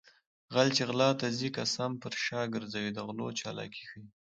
غل چې غلا ته ځي قسم پر شا ګرځوي د غلو چالاکي ښيي